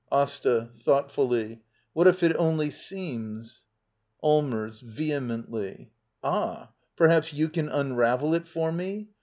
AsTA. [Thoughtfully.] What if it only seems—? Allmers. [Vehemently.] Ah? Perhaps you can unravel it for me